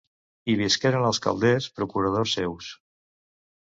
Hi visqueren els Calders, procuradors seus.